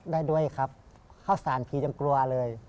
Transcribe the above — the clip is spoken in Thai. ได้ด้วยครับเข้าสารทียังกลัวเลย